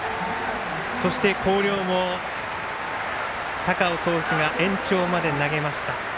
そして、広陵も高尾投手が延長まで投げました。